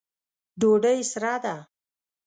ډوډۍ سره ده